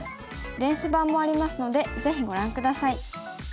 電子版もありますのでぜひご覧下さい。